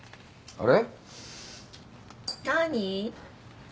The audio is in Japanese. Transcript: あれ？